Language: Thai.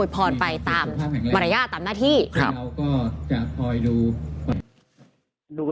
แฮปปี้เบิร์สเจทู